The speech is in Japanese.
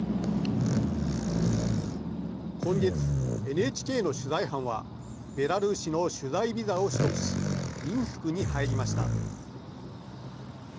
今月、ＮＨＫの取材班はベラルーシの取材ビザを取得しミンスクに入りました。